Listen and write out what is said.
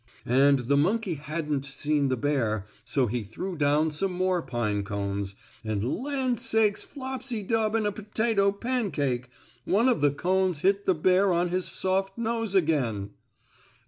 And the monkey hadn't seen the bear, so he threw down some more pine cones, and land sakes flopsy dub and a potato pancake! one of the cones hit the bear on his soft nose again!